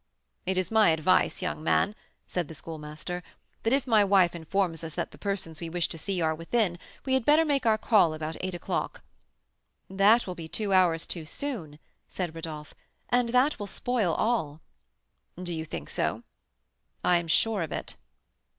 "It is my advice, young man," said the Schoolmaster, "that if my wife informs us that the persons we wish to see are within, we had better make our call about eight o'clock." "That will be two hours too soon," said Rodolph; "and that will spoil all." "Do you think so?" "I am sure of it."